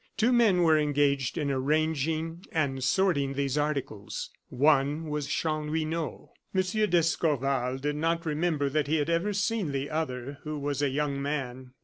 Two men were engaged in arranging and sorting these articles. One was Chanlouineau. M. d'Escorval did not remember that he had ever seen the other, who was a young man.